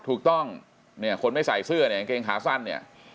ถูกต้องคนไม่ใส่เสื้อเนี่ยเกงขาสั้นเนี่ย